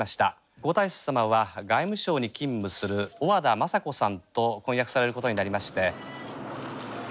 皇太子さまは外務省に勤務する小和田雅子さんと婚約されることになりまして」。